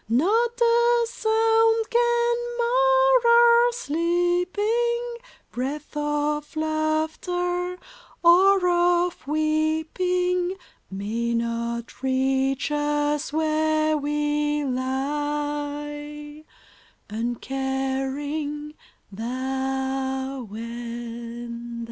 Not a sound can mar our sleeping Breath of laughter, or of weeping, May not reach us where we lie Uncaring — thou and I